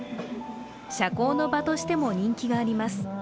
社交の場としても人気があります。